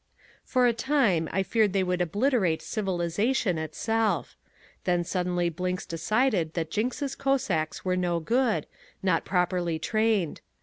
For a time I feared they would obliterate civilization itself. Then suddenly Blinks decided that Jinks' Cossacks were no good, not properly trained.